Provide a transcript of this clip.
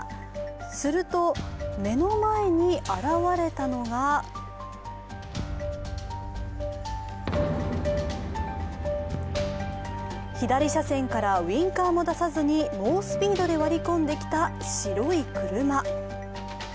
すると目の前に現れたのが左車線からウィンカーも出さずに猛スピードで割り込んできた白い車。